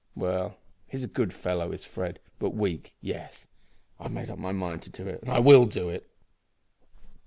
Well, he's a good fellow is Fred, but weak. Yes, I've made up my mind to do it and I will do it."